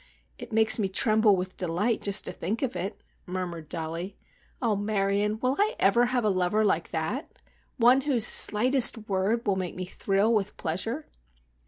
"It makes me tremble with delight just to think of it," murmured Dollie. "Oh, Marion, will I ever have a lover like that? One whose slightest word will make me thrill with pleasure.